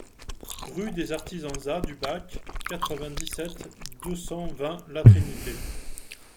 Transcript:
Rue des Artisans-Za du Bac, quatre-vingt-dix-sept, deux cent vingt La Trinité